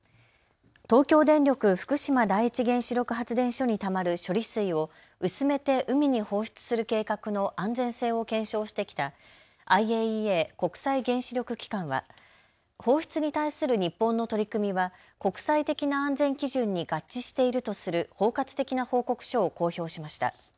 東京電力福島第一原子力発電所にたまる処理水を薄めて海に放出する計画の安全性を検証してきたＩＡＥＡ・国際原子力機関は放出に対する日本の取り組みは国際的な安全基準に合致しているとする包括的な報告書を公表しました。